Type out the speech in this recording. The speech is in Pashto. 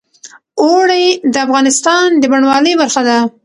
اوړي د افغانستان د بڼوالۍ برخه ده.